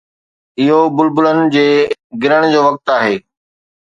اهو بلبلن جي گرڻ جو وقت آهي